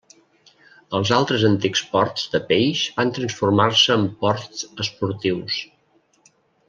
Els altres antics ports de peix van transformar-se en ports esportius.